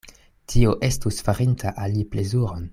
Tio estus farinta al li plezuron.